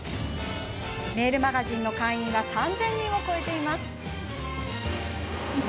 メールマガジンの会員は３０００人を超えています。